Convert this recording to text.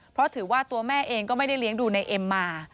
เพราะถือว่าตัวแม่เองก็ไม่ได้เลี้ยงดูในเอ็มมา